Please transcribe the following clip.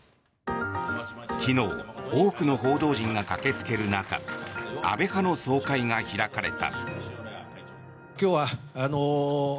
昨日多くの報道陣が駆けつける中安倍派の総会が開かれた。